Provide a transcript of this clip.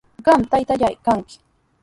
Qami taytallaa kanki.